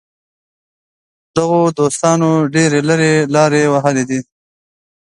دغو دوستانو ډېرې لرې لارې وهلې دي.